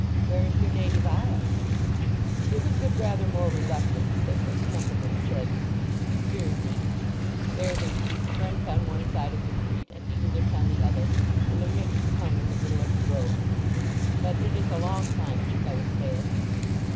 "Where is your native isle?" It was with rather more reluctance that Miss Templeman said, "Jersey. There they speak French on one side of the street and English on the other, and a mixed tongue in the middle of the road. But it is a long time since I was there.